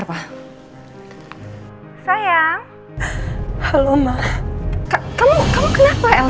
al udah menelepon